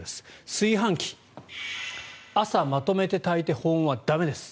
炊飯器、朝まとめて炊いて保温は駄目です。